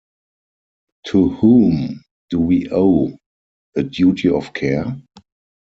To whom do we owe a duty of care?